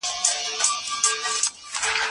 زه چي هر عمل کوم ورته مجبور یم